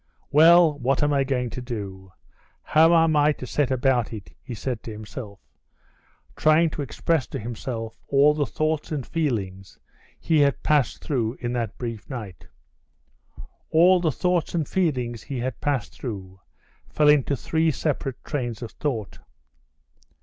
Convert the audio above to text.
"Well, what am I going to do? How am I to set about it?" he said to himself, trying to express to himself all the thoughts and feelings he had passed through in that brief night. All the thoughts and feelings he had passed through fell into three separate trains of thought.